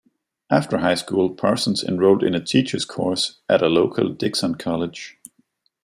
After high school, Parsons enrolled in a teacher's course at a local Dixon college.